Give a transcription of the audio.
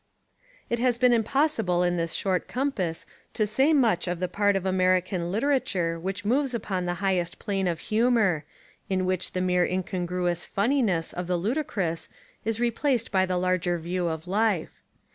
It has been impossible in this short compass to say much of the part of American literature which moves upon the highest plane of humour, in which the mere incongruous "funniness" of the ludicrous is replaced by the larger view of life.